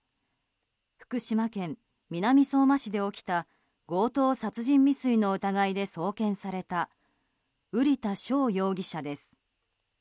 福島県南相馬市で起きた強盗殺人未遂の疑いで送検された瓜田翔容疑者です。